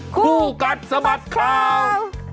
คู่กัดสะบัดข่าว